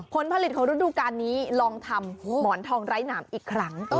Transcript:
ผลผลิตของฤดูการนี้ลองทำหมอนทองไร้หนามอีกครั้ง